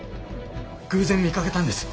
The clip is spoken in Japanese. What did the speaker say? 偶然見かけたんです